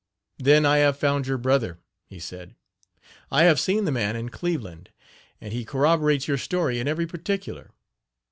"Then I have found your brother," he said. "I have seen the man in Cleveland, and he corroborates your story in every particular.